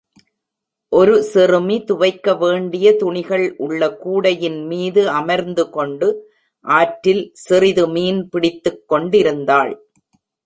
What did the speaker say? ஒரு சிறுமி துவைக்க வேண்டிய துணிகள் உள்ள கூடையின் மீது அமர்ந்து கொண்டு ஆற்றில் சிறிது மீன் பிடித்துக் கொண்டிருந்தாள்.